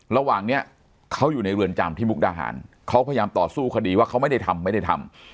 ระหว่างนี้เขาอยู่ในเรือนจำที่มุกดาหารเขาพยายามต่อสู้คดีว่าเขาไม่ได้ทำไม่ได้ทำ